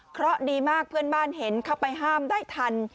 เพราะดีมากเพื่อนบ้านเห็นเข้าไปห้ามได้ทัน